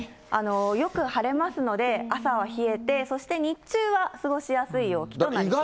よく晴れますので、朝は冷えて、そして日中は過ごしやすい陽気となります。